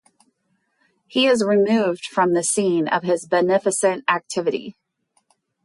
He is removed from the scene of his beneficent activity.